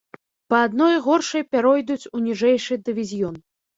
Па адной горшай пяройдуць ў ніжэйшы дывізіён.